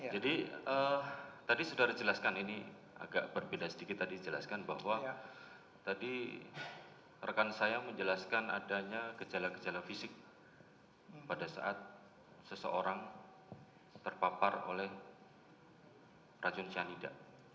jadi tadi sudah dijelaskan ini agak berbeda sedikit tadi dijelaskan bahwa tadi rekan saya menjelaskan adanya gejala gejala fisik pada saat seseorang terpapar oleh racun cyanida